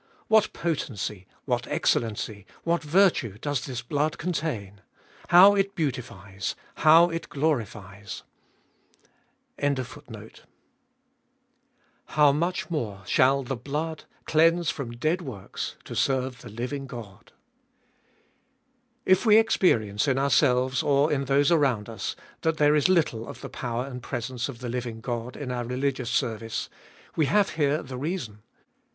What potency, what excellency, what virtue does this blood contain ! How it beautifies ! How it glorifies !"— H. BONAR. 310 Cbe Iboliest of 2UI to serve the living God ! If we experience in ourselves, or in those around us, that there is little of the power and presence of the living God in our religious service, we have here the reason.